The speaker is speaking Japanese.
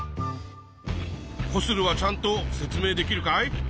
コスルはちゃんと説明できるかい？